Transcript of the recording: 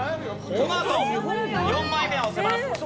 このあと４枚目は押せます。